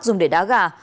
dùng để đá gà